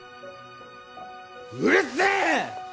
うるせぇ！